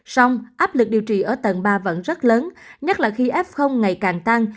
xong áp lực điều trị ở tầng ba vẫn rất lớn nhắc là khi f ngày càng tăng